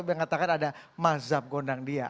mengatakan ada mazhab gondang dia